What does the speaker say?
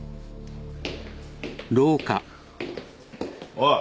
おい。